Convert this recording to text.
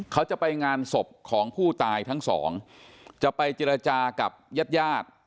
เขาจะไปงานศพของผู้ตายทั้งสองจะไปเจรจากับญาติญาติ